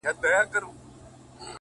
ما بيا وليدی ځان څومره پېروز په سجده کي”